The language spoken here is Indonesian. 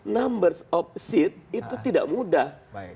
numbers of seats itu tidak mudah